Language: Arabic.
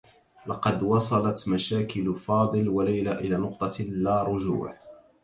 لقد وصلت مشاكل فاضل و ليلى إلى نقطة اللاّرجوع.